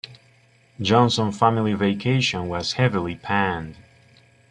"Johnson Family Vacation" was heavily panned.